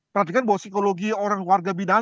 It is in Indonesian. perhatikan bahwa psikologi orang warga binaan